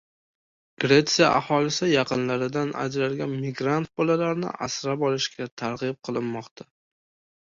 Gretsiya aholisi yaqinlaridan ajralgan migrant bolalarni asrab olishga targ‘ib qilinmoqda